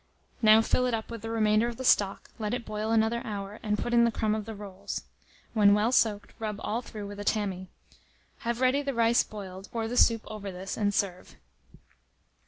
Now fill it up with the remainder of the stock, let it boil another hour, and put in the crumb of the rolls. When well soaked, rub all through a tammy. Have ready the rice boiled; pour the soup over this, and serve.